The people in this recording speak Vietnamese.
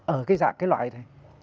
ở cái dạng cái loại này